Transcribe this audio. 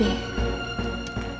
dia hanyalah masa laluku